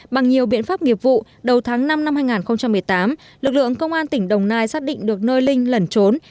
bằng nhiều biện pháp nghiệp vụ đầu tháng năm năm hai nghìn một mươi tám lực lượng công an tỉnh đồng nai xác định được nơi linh lẩn trốn